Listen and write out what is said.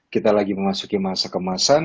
kita lagi memasuki masa kemasan